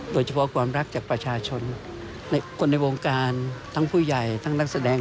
โดยเฉพาะความรักจากประชาชนคนในวงการทั้งผู้ใหญ่ทั้งนักแสดง